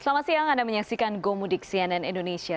selamat siang anda menyaksikan go mudik cnn indonesia